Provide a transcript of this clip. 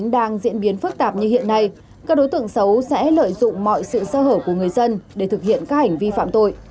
đang diễn biến phức tạp như hiện nay các đối tượng xấu sẽ lợi dụng mọi sự sơ hở của người dân để thực hiện các hành vi phạm tội